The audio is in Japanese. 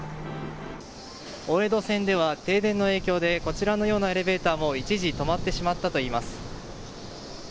大江戸線では停電の影響でこちらのようなエレベーターも一時止まってしまったといいます。